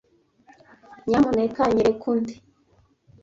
Nyamuneka nyereka undi?